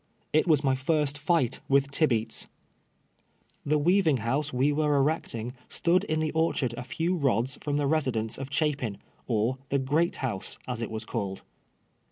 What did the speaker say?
It was my first fight with Tibcats. The weavlng honse we were erecting stood in the orchard a few rods from the residence of Chapin, or the " great house," as it was calk'd.